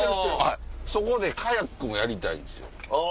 そこでカヤックもやりたいんですよ。